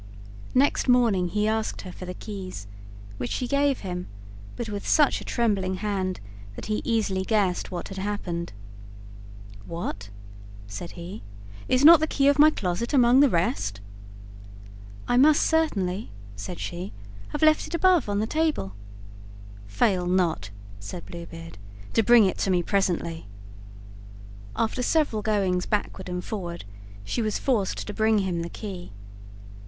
Next morning he asked her for the keys, which she gave him, but with such a trembling hand that he easily guessed what had happened. "What!" said he, "is not the key of my closet among the rest?" "I must certainly," said she, "have left it above upon the table." "Fail not," said Blue Beard, "to bring it to me presently." After several goings backward and forward she was forced to bring him the key.